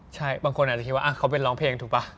ใช่บางคนอาจจะคิดว่าเขาเป็นร้องเพลงถูกป่ะ